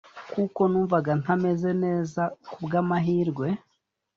kuko numvaga ntameze neza Ku bw’amahirwe,